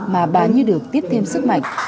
mà bà như được tiếp thêm sức mạnh